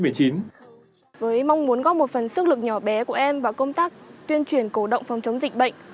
với mong muốn góp một phần sức lực nhỏ bé của em vào công tác tuyên truyền cổ động phòng chống dịch bệnh